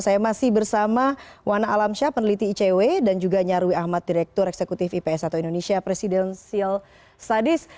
saya masih bersama wana alamsyah peneliti icw dan juga nyarwi ahmad direktur eksekutif ips atau indonesia presidensial studies